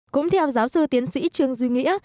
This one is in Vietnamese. cũng theo giáo sư tiến sĩ trương duy nghĩa